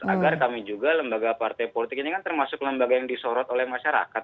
agar kami juga lembaga partai politik ini kan termasuk lembaga yang disorot oleh masyarakat